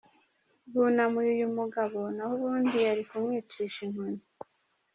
bunamuye uyu mugabo naho ubundi yari kumwicisha inkoni.